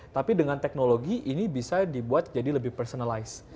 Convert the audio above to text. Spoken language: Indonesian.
tapi dengan teknologi ini bisa dibuat jadi lebih personalize